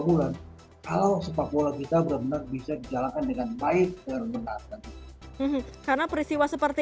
bulan kalau sepak bola kita benar benar bisa dijalankan dengan baik dengan benar karena peristiwa seperti